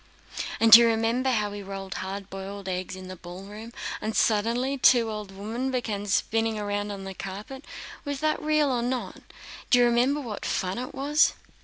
"And do you remember how we rolled hard boiled eggs in the ballroom, and suddenly two old women began spinning round on the carpet? Was that real or not? Do you remember what fun it was?"